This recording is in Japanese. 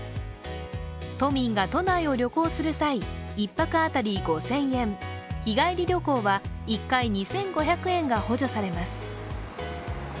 都民が都内を旅行する際、１泊当たり５０００円、日帰り旅行は１回２５００円が補助されます。